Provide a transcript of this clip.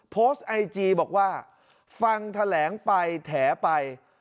โพสต์ไอจีบอกว่าฟังแถลงไปแถไป